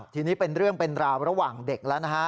ทีนี้เป็นเรื่องเป็นราวระหว่างเด็กแล้วนะฮะ